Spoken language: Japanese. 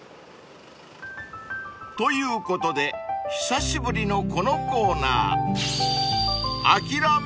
ということで久しぶりのこのコーナー］